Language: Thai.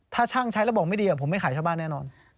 ถ้าช่างใช้แล้วบอกไม่ดีผมไม่ขายชาวบ้านแน่นอน